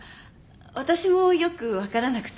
私もよく分からなくて。